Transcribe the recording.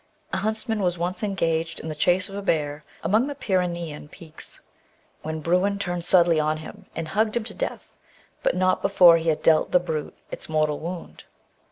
A huntsman was once engaged in the chase of a bear among the Pyreneean peaks, when Bruin turned suddenly on him and hugged him to death, but not before he had dealt the brute its mortal wound.